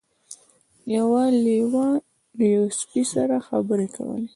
یو لیوه له یوه سپي سره خبرې کولې.